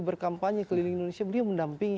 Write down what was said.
berkampanye keliling indonesia beliau mendampingi